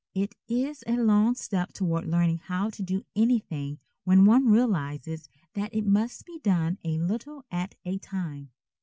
It is a long step toward learning how to do anything when one realizes that it must be done a little at a time.